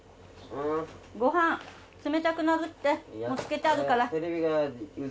冷たくなるってもうつけてあるから。